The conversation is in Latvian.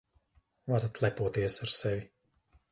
Varat lepoties ar sevi.